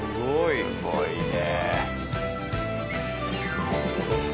すごいね。